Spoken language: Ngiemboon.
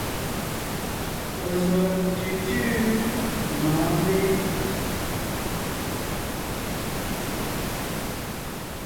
Ɔ̀ zɔ́g ntʉ̀ntʉ́ mɔ̌ɔn mé?